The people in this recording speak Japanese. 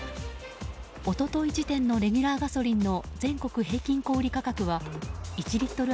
一昨日時点のレギュラーガソリンの全国平均小売価格は１リットル